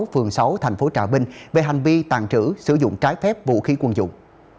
phường sáu thành phố trà vinh về hành vi tàn trữ sử dụng trái phép vũ khí quân dụng